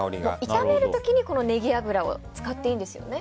炒める時にネギ油を使っていいんですよね。